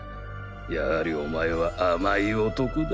やはりお前は甘い男だ。